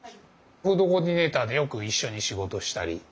フードコーディネーターでよく一緒に仕事したり。